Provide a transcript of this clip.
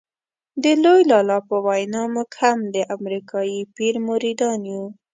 د لوی لالا په وینا موږ هم د امریکایي پیر مریدان یو.